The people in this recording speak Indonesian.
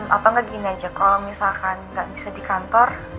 atau gak gini aja kalau misalkan gak bisa di kantor